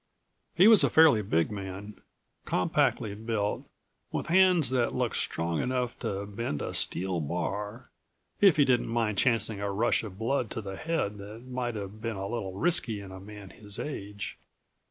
He was a fairly big man, compactly built, with hands that looked strong enough to bend a steel bar, if he didn't mind chancing a rush of blood to the head that might have been a little risky in a man his age.